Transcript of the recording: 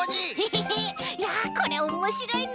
ヘヘヘいやこれおもしろいな。